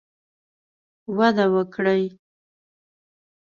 وده وکړي